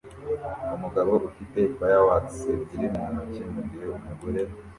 Umugabo ufite fireworks ebyiri mu ntoki mugihe umugore